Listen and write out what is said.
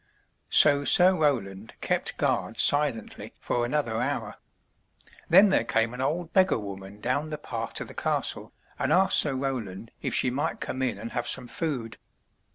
So Sir Roland kept guard silently for another hour. Then there came an old beggar woman down the path to the castle, and asked Sir Roland if she might come in and have some food.